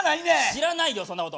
知らないよそんなこと。